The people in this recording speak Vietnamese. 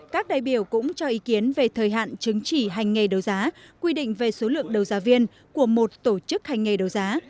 các đại biểu cũng cho ý kiến về thời hạn chứng chỉ hành nghề đấu giá quy định về số lượng đấu giá viên của một tổ chức hành nghề đấu giá